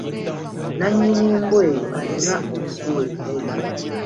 Nannyini mbwa eyo alina okugiwa emmere.